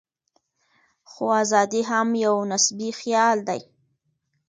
خو ازادي هم یو نسبي خیال دی.